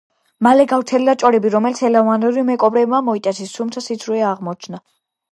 მალე გავრცელდა ჭორები, რომ ელეანორი მეკობრეებმა მოიტაცეს, თუმცა სიცრუე აღმოჩნდა.